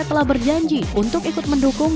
telah berjanji untuk ikut mendukung